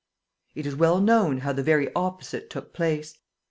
It is well known how the very opposite took place.